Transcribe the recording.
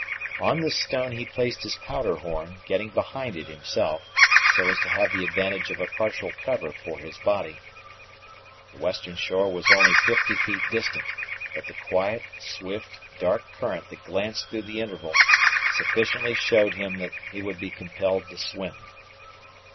On this stone he placed his powder horn, getting behind it himself, so as to have the advantage of a partial cover for his body. The western shore was only fifty feet distant, but the quiet, swift, dark current that glanced through the interval sufficiently showed that here he would be compelled to swim.